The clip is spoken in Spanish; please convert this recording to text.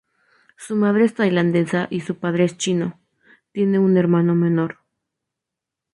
Su madre es tailandesa y su padre es chino, tiene un hermano menor.